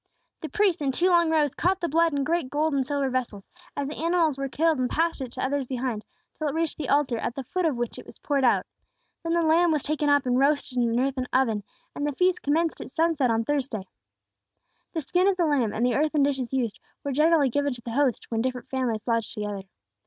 The priests, in two long rows, caught the blood in great gold and silver vessels, as the animals were killed, and passed it to others behind, till it reached the altar, at the foot of which it was poured out. Then the lamb was taken up and roasted in an earthen oven, and the feast commenced at sunset on Thursday. The skin of the lamb, and the earthen dishes used, were generally given to the host, when different families lodged together.